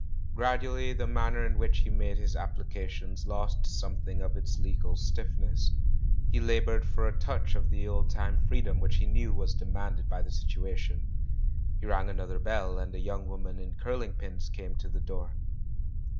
Gradually the manner in which he made his applications lost something of its legal stiffness ; he laboured for a touch of the old time freedom which he knew was demanded by the situation. He rang another bell, and a young woman in curling pins came to the door.